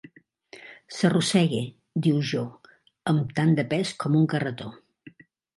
"S'arrossega," diu Jo, "amb tant de pes com un carretó."